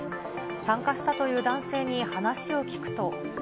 参加したという男性に話を聞くと。